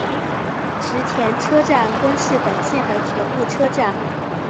池田车站根室本线的铁路车站。